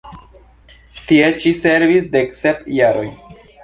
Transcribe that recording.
Tie ŝi servis dek sep jaroj.